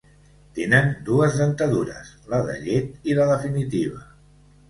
Tenen dues dentadures: la de llet i la definitiva.